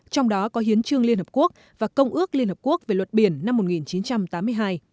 trong đó có hiến trương liên hợp quốc và công ước liên hợp quốc về luật biển năm một nghìn chín trăm tám mươi hai